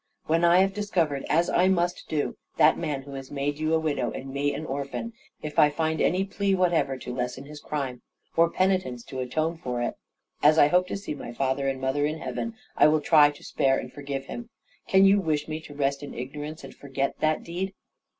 When I have discovered, as I must do, that man who has made you a widow and me an orphan, if I find any plea whatever to lessen his crime, or penitence to atone for it, as I hope to see my father and mother in heaven, I will try to spare and forgive him. Can you wish me to rest in ignorance, and forget that deed?"